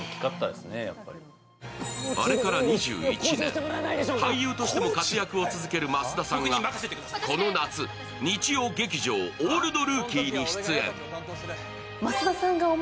あれから２１年、俳優としても活躍を続ける増田さんがこの夏、日曜劇場「オールドルーキー」に出演。